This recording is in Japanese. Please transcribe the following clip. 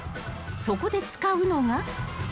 ［そこで使うのが］